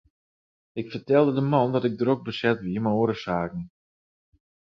Ik fertelde de man dat ik drok beset wie mei oare saken.